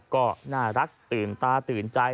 ก็น่ารักตื่นตาตื่นใจ